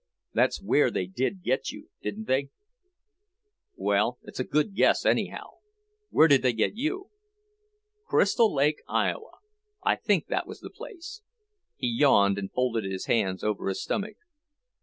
That's where they did get you, didn't they?" "Well, it's a good guess, anyhow. Where did they get you?" "Crystal Lake, Iowa. I think that was the place." He yawned and folded his hands over his stomach.